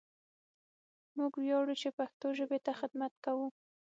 موږ وياړو چې پښتو ژبې ته خدمت کوو!